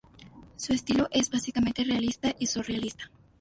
Su estilo es básicamente realista y surrealista.